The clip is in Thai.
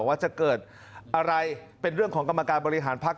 ว่าจะเกิดอะไรเป็นเรื่องของกรรมการบริหารพักษ